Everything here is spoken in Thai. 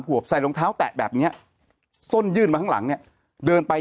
วบใส่รองเท้าแตะแบบเนี้ยส้นยื่นมาข้างหลังเนี่ยเดินไป